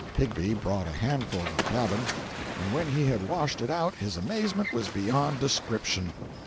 Higbie brought a handful to the cabin, and when he had washed it out his amazement was beyond description.